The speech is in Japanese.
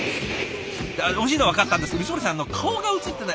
おいしいのはわかったんですけど光森さん顔が映ってない。